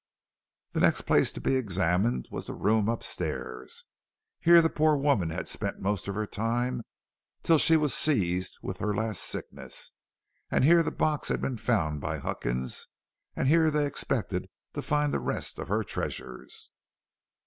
The next place to be examined was the room upstairs. Here the poor woman had spent most of her time till she was seized with her last sickness, and here the box had been found by Huckins, and here they expected to find the rest of her treasures.